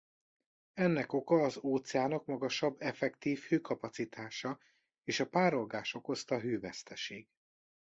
Ennek oka az óceánok magasabb effektív hőkapacitása és a párolgás okozta hőveszteség.